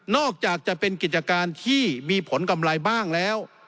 อกจากจะเป็นกิจการที่มีผลกำไรบ้างแล้ว